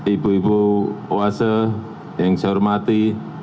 ibu ibu oase yang saya hormati